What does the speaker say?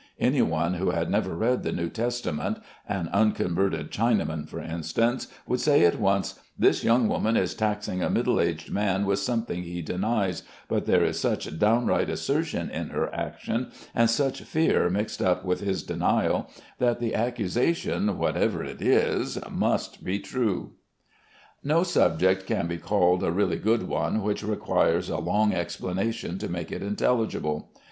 Any one who had never read the New Testament, an unconverted Chinaman for instance, would say at once: "This young woman is taxing a middle aged man with something he denies, but there is such downright assertion in her action and such fear mixed up with his denial, that the accusation, whatever it is, must be true." No subject can be called a really good one which requires a long explanation to make it intelligible.